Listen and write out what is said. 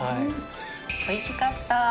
おいしかった。